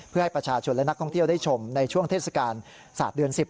เพื่อให้ประชาชนและนักท่องเที่ยวได้ชมในช่วงเทศกาลศาสตร์เดือน๑๐